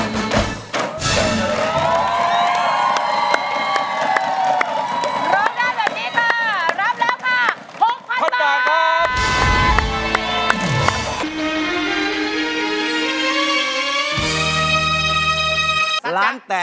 มูลค่า๖๐๐๐บาท